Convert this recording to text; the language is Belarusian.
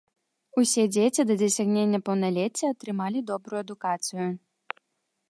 Усе дзеці да дасягнення паўналецця атрымалі добрую адукацыю.